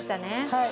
はい！